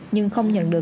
nhưng không nhận được